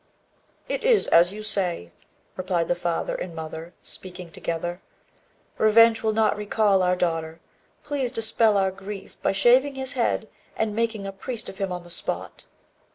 "It is as you say," replied the father and mother, speaking together. "Revenge will not recall our daughter. Please dispel our grief, by shaving his head and making a priest of him on the spot."